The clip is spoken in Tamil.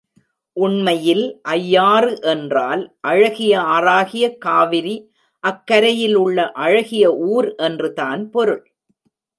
உண்மையில் ஐயாறு என்றால், அழகிய ஆறாகிய காவிரி, அக்கரையில் உள்ள அழகிய ஊர் என்றுதான் பொருள்.